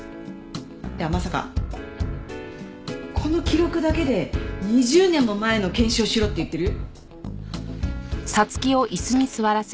いやまさかこの記録だけで２０年も前の検視をしろって言ってる？